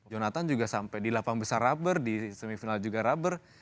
jonathan juga sampai di lapang besar rubber di semifinal juga rubber